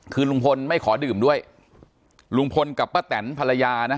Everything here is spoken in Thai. คือลุงพลไม่ขอดื่มด้วยลุงพลกับป้าแตนภรรยานะ